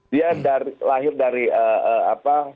dia lahir dari apa